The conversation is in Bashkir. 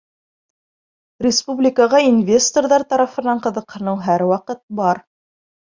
— Республикаға инвесторҙар тарафынан ҡыҙыҡһыныу һәр ваҡыт бар.